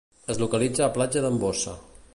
Es localitza a Platja d'en Bossa.